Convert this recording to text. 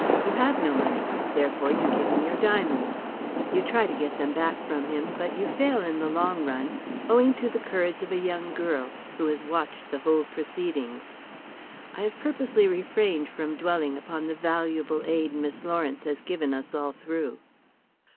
You have no money, therefore you give him your diamonds. You try to get them back from him, but you fail in the long run, owing to the courage of a young girl, who has watched the whole proceedings. I have purposely refrained from dwelling upon the valuable aid Miss Lawrence has given us all through."